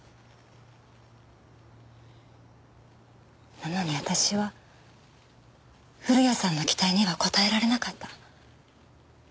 なのに私は古谷さんの期待には応えられなかった。